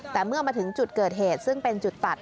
แต่เมื่อมาถึงจุดเกิดเหตุซึ่งเป็นจุดตัด